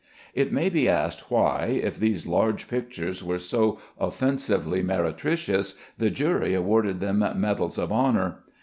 It may be asked why, if these large pictures were so offensively meretricious, the jury awarded them medals of honor?